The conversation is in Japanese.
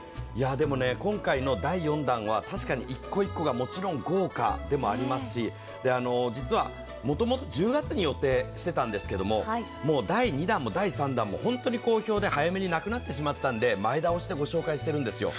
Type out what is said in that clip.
今回の第４弾は確かに１個１個が豪華ではありますし、実はもともと１０月に予定してたんですけど、もう第２弾も第３弾も本当に好評で早めになくなってしまったんで前倒しで御紹介してるんですよ。